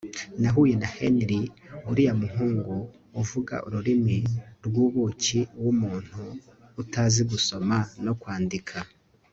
nahuye na henry, uriya muhungu uvuga ururimi rw'ubuki w'umuntu utazi gusoma no kwandika